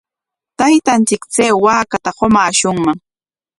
Taytanchik chay waakata qumaashunman.